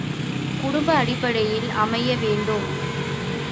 குடும்ப அடிப்படையில் அமைய வேண்டும்.